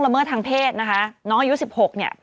เมื่อเมื่อ